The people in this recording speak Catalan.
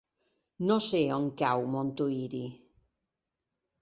No sé on cau Montuïri.